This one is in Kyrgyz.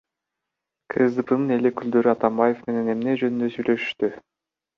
КСДПнын эл өкүлдөрү Атамбаев менен эмне жөнүндө сүйлөшүштү?